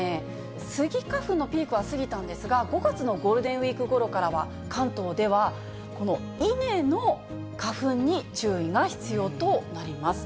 スギ花粉のピークは過ぎたんですが、５月のゴールデンウィークごろからは、関東ではこのイネの花粉に注意が必要となります。